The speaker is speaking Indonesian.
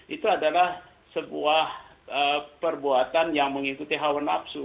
itu adalah sebuah perbuatan yang mengikuti hawa nafsu